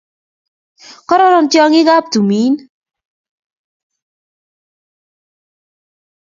kororon tyongik ap tumin